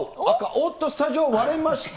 おっと、スタジオ割れました。